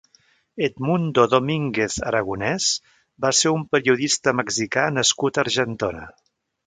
Edmundo Domínguez Aragonés va ser un periodista mexicà nascut a Argentona.